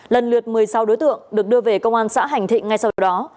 lần lượt một mươi sáu đối tượng được đưa về công an xã hành thịnh ngay sau đó